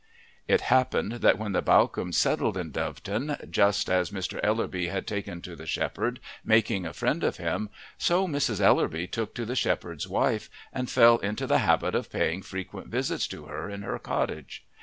It happened that when the Bawcombes settled at Doveton, just as Mr. Ellerby had taken to the shepherd, making a friend of him, so Mrs. Ellerby took to the shepherd's wife, and fell into the habit of paying frequent visits to her in her cottage.